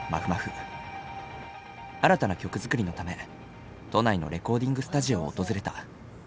新たな曲作りのため都内のレコーディングスタジオを訪れた。